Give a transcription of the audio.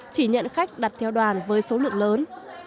chỉ nhận khách đặt theo đoàn với số lượng lớn